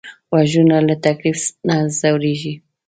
غوږونه له تکلیف نه ځورېږي